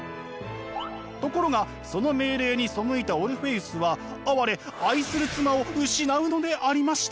ところがその命令に背いたオルフェウスは哀れ愛する妻を失うのでありました。